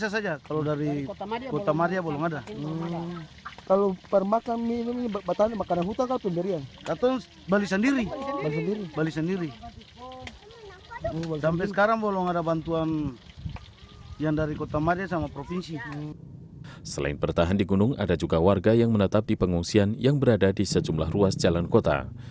selain bertahan di gunung ada juga warga yang menetap di pengungsian yang berada di sejumlah ruas jalan kota